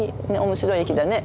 面白い駅だね。